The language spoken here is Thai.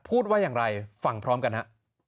พูดว่าอย่างไรฟังพร้อมกันฮะ